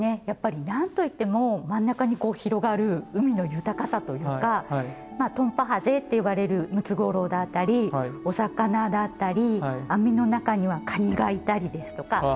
やっぱり何と言っても真ん中に広がる海の豊かさというかまあトンパハゼって呼ばれるムツゴロウだったりお魚だったり網の中にはカニがいたりですとか。